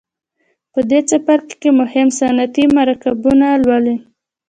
په دې څپرکي کې مهم صنعتي مرکبونه لولئ.